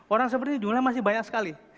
orang seperti jumlahnya masih banyak sekali